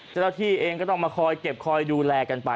เจ้าหน้าที่เองก็ต้องมาคอยเก็บคอยดูแลกันไป